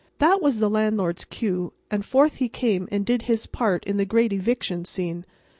That was the landlord's cue; and forth he came and did his part in the great eviction scene.